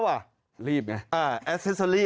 อ่ะอัสเซ็สเซอรี่